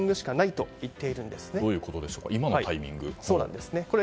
どういうことでしょうか今のタイミングとは。